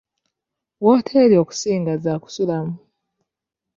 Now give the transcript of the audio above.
Wooteeri okusinga za kusulamu.